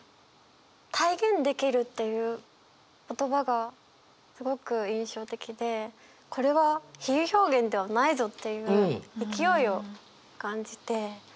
「体現できる」っていう言葉がすごく印象的でこれは比喩表現ではないぞっていう勢いを感じて。